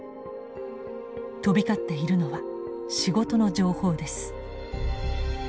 飛び交っているのは仕事の情報です。